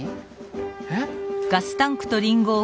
えっ。